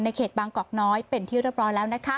ในเขตบางกกน้อยเป็นที่แล้ว